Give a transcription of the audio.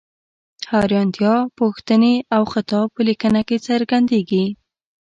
حیرانتیا، پوښتنې او خطاب په لیکنه کې څرګندیږي.